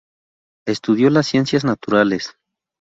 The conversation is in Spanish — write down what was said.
Estudió las Ciencias Naturales.